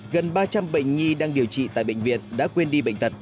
gần ba trăm linh bệnh nhi đang điều trị tại bệnh viện đã quên đi bệnh tật